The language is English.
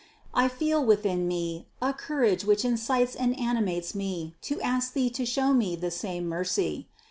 I feel within me a courage which incites and ani mates me to ask Thee to show me the same mercy.